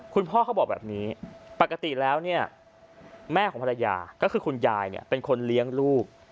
เขาบอกแบบนี้ปกติแล้วเนี่ยแม่ของภรรยาก็คือคุณยายเป็นคนเลี้ยงลูก